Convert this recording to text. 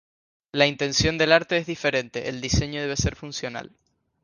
La intención del arte es diferente, el diseño debe ser funcional.